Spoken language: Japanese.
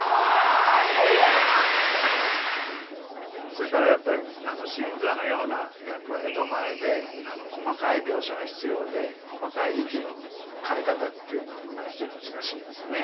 それからやっぱり「新三」のような役は江戸前で細かい描写が必要で細かい息の変え方というのが非常に難しいですね。